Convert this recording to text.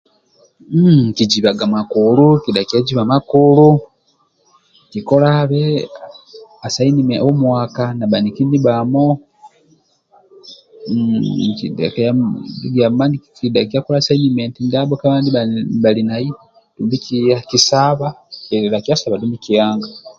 Hii nkizibaga makulu kidhakia ziba makulu nikolabe asainimenti homu waka na bhaniki ndibhamo kidhakia kola asainimenti ndia bhali nai kisaba kibhidhakia saba dumbi kianga